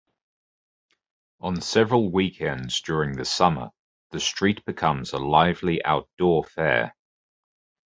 On several weekends during the summer, the street becomes a lively outdoor fair.